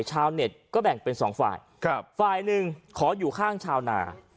ชาวเน็ตก็แบ่งเป็นสองฝ่ายครับฝ่ายหนึ่งขออยู่ข้างชาวนา